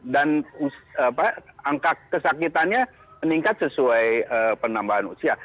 dan angka kesakitannya meningkat sesuai penambahan usia